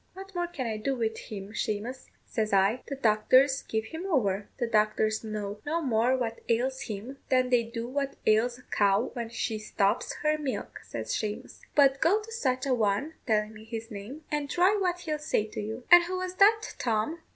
'What more can I do with him, Shamous?' says I; 'the doctors give him over.' 'The doctors know no more what ails him than they do what ails a cow when she stops her milk,' says Shamous; 'but go to such a one,' telling me his name, 'and try what he'll say to you.'" "And who was that, Tom?"